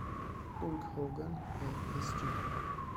Hulk Hogan e Sgt.